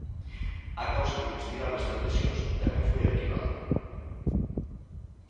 A causa que investigaba estas lesións tamén foi arquivada.